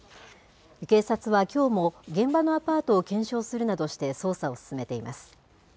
警察はきょうも、現場のアパートを検証するなどして、捜査を進めています。